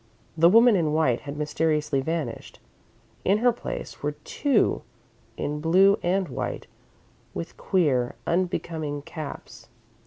The woman in white had mysteriously vanished. In her place were two, in blue and white, with queer, unbecoming caps.